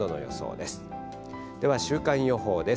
では週間予報です。